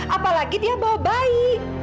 apalagi dia bawa bayi